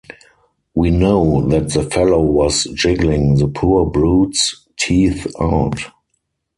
We know that the fellow was jiggling the poor brute's teeth out.